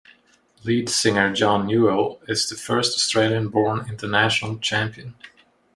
Lead singer John Newell is the first Australian-born international champion.